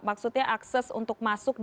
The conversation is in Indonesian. maksudnya akses untuk masuk